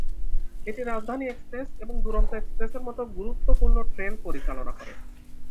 এটি রাজধানী এক্সপ্রেস এবং দুরন্ত এক্সপ্রেসের মতো গুরুত্বপূর্ণ ট্রেন পরিচালনা করে।